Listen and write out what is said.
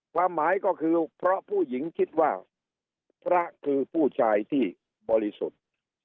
ความหมายก็คือเพราะผู้หญิงคิดว่าพระคือผู้ชายที่บริสุทธิ์